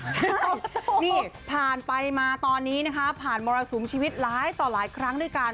ใช่นี่ผ่านไปมาตอนนี้นะคะผ่านมรสุมชีวิตร้ายต่อหลายครั้งด้วยกัน